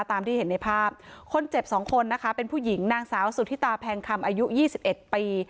ตามที่เห็นในภาพคนเจ็บสองคนนะคะเป็นผู้หญิงนางสาวสุธิตาแพงคำอายุยี่สิบเอ็ดปี